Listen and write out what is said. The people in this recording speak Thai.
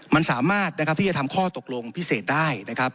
มันสามารถนะครับที่จะทำข้อตกลงพิเศษได้นะครับ